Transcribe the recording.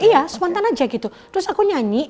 iya spontan aja gitu terus aku nyanyi